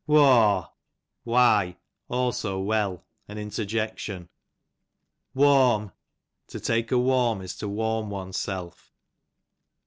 Whau, v:hy ; also well; an inter jection. Whawm, to take a ichaxmn, is to warm ones self.